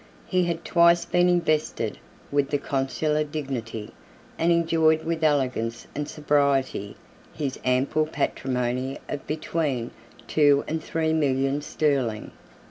He had twice been invested with the consular dignity, 7 and enjoyed with elegance and sobriety his ample patrimony of between two and three millions sterling.